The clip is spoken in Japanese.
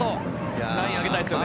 ラインを上げたいですよ